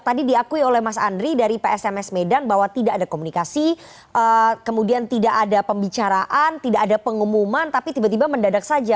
tadi diakui oleh mas andri dari psms medan bahwa tidak ada komunikasi kemudian tidak ada pembicaraan tidak ada pengumuman tapi tiba tiba mendadak saja